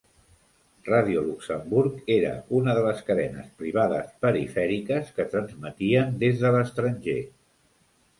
Radio Luxembourg era una de les cadenes privades "perifèriques" que transmetien des de l'estranger.